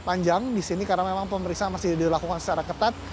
memang masih cukup panjang disini karena memang pemeriksaan masih dilakukan secara ketat